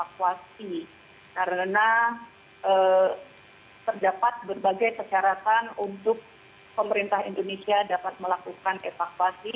karena terdapat berbagai kesyaratan untuk pemerintah indonesia dapat melakukan evakuasi